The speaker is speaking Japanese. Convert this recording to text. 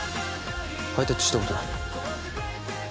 ハイタッチしたことない？